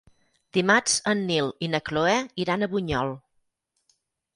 Dimarts en Nil i na Cloè iran a Bunyol.